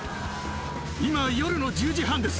今、夜の１０時半です。